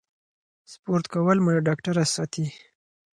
سپورت کول مو له ډاکټره ساتي.